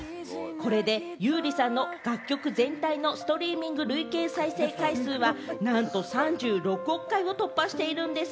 これで優里さんの楽曲全体のストリーミング累計再生回数はなんと３６億回を突破しているんです。